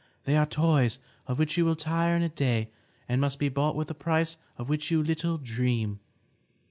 They are toys of which you will tire in a day and must be bought with a price of which you little dream.